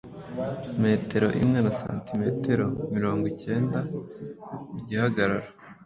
metero imwe na santimetero mirongo ikenda mu gihagararo.